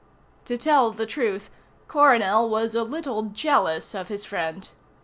To tell the truth, Coronel was a little jealous of his friend.